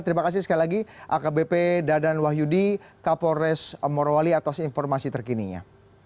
terima kasih sekali lagi akbp dadan wahyudi kapolres morowali atas informasi terkininya